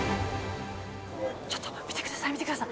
ちょっと、見てください、見てください。